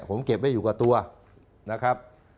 ผมเก็บไว้อยู่กับตัวนะครับ